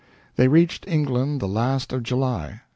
They reached England the last of July.